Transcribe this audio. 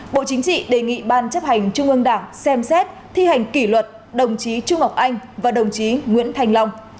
bộ chính trị đề nghị ban chấp hành trung ương đảng xem xét thi hành kỷ luật đồng chí trung ngọc anh và đồng chí nguyễn thành long